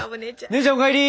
姉ちゃんお帰り！